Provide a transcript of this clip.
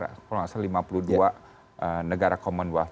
akan terasa lima puluh dua negara commonwealth